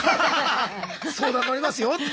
相談乗りますよって。